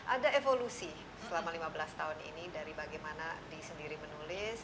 ada evolusi selama lima belas tahun ini dari bagaimana d sendiri menulis